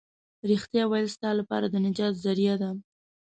رښتيا ويل ستا لپاره د نجات ذريعه ده.